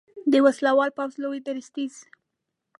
د وسلوال پوځ لوی درستیز